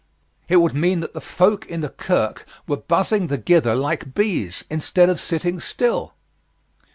It would mean that the folk in the kirk were buzzing thegither like bees, instead of sitting still."